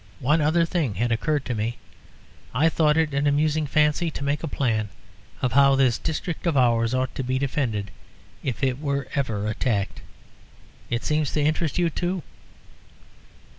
One other thing had occurred to me. I thought it an amusing fancy to make a plan of how this district or ours ought to be defended if it were ever attacked. It seems to interest you too."